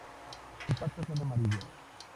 Sus patas son amarillas.